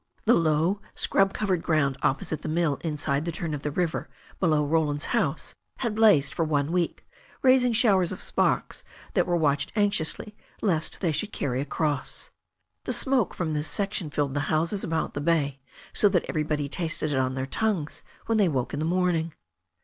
The low, scrub covered ground opposite the mill inside the turn of the river below Roland's house, had blazed for one week, raising showers of sparks that were watched anxiously lest they should carry across. The smoke from this section filled the houses about the bay so that everybody tasted it on their tongues when they woke in the morning.